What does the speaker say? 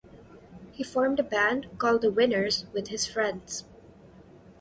He formed a band called "The Wynners" with his friends.